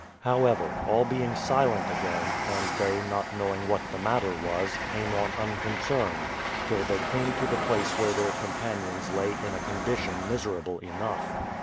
However, all being silent again, and they not knowing what the matter was, came on unconcerned, till they came to the place where their companions lay in a condition miserable enough.